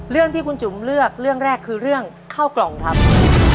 เรื่องที่คุณจุ๋มเลือกเรื่องแรกคือเรื่องข้าวกล่องครับ